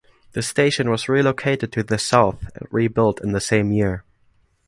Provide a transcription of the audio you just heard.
The station was relocated to the south and rebuilt in the same year.